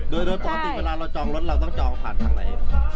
โดยปกติเวลาเราจองรถเราต้องจองผ่านทางไหน